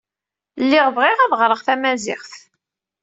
Lliɣ bɣiɣ ad ɣreɣ tamaziɣt.